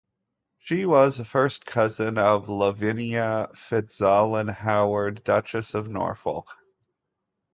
She was a first cousin of Lavinia Fitzalan-Howard, Duchess of Norfolk.